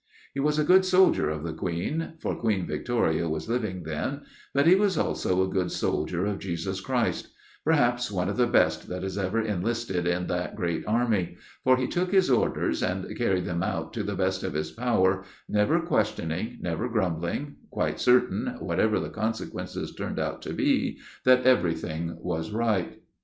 He was a good soldier of the Queen for Queen Victoria was living then but he was also a good soldier of Jesus Christ; perhaps one of the best that has ever enlisted in that great army, for he took his orders, and carried them out to the best of his power, never questioning, never grumbling, quite certain, whatever the consequences turned out to be, that everything was right.